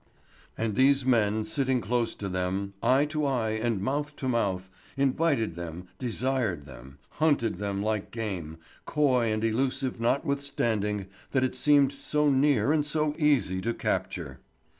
And these men sitting close to them, eye to eye and mouth to mouth, invited them, desired them, hunted them like game, coy and elusive notwithstanding that it seemed so near and so easy to capture.